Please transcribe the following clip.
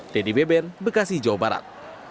dedy beben bekasi jawa barat